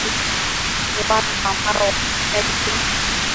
ni watu ambo wanahitaji kulipwa